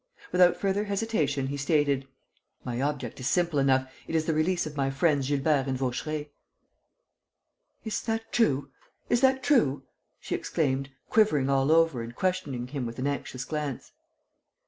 Without further hesitation, he stated: "My object is simple enough. It is the release of my friends Gilbert and Vaucheray." "Is that true? Is that true?" she exclaimed, quivering all over and questioning him with an anxious glance.